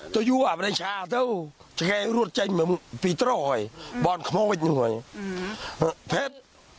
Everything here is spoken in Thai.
ตัวอยู่อาวุธชาติเท่าจะแค่รวดใจมันปิดตรงไหวบ่อนข้อมดหนึ่งไหวเผ็ด